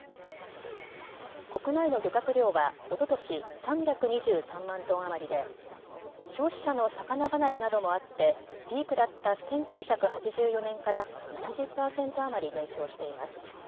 国内の漁獲量はおととし３２３万トン余りで消費者の魚離れなどもあってピークだった１９８４年から７０％余り減少しています。